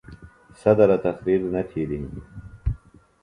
صدرہ تقریر نہ تِھیلیۡ ہِنیۡ۔